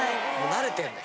慣れてんだ？